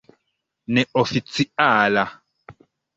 neoficiala